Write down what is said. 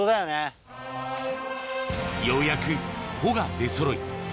ようやく穂が出そろい